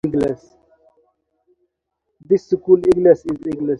The school mascot is the Eagles.